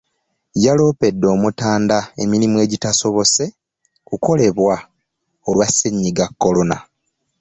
Yaloopedde Omutanda emirimu egitaasobose kukolebwa olwa Ssennyiga Corona.